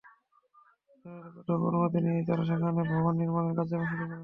যথাযথ কর্তৃপক্ষের অনুমতি নিয়েই তারা সেখানে ভবন নির্মাণের কার্যক্রম শুরু করেছে।